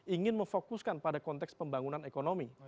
ingin memfokuskan pada konteks pembangunan ekonomi